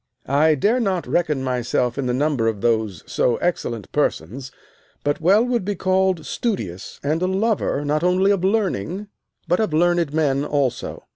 I dare not reckon myself in the number of those so excellent persons, but well would be called studious, and a lover, not only of learning, but of learned men also.